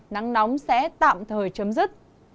nắng nóng sẽ tạm thời chấm dứt